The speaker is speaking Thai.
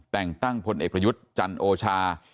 แต่งตั้งพลเอกประยุทธ์จันโอชา